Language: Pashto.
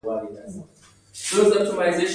هغه بل کس چې د غوايي په پوستکي کې و وژغورل شو.